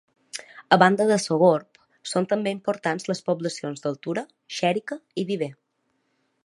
A banda de Sogorb són també importants les poblacions d'Altura, Xèrica i Viver.